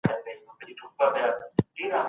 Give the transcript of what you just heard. په سياسي چارو کي بې پروايي مه کوئ.